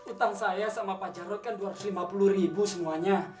utang saya sama pak jarod kan dua ratus lima puluh ribu semuanya